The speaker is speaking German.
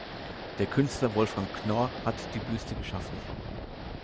Der Künstler Wolfgang Knorr hat die Büste geschaffen.